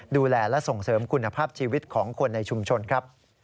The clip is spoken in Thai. ดูแลและส่งเสริมคุณภาพชีวิตของคนในชุมชนครับ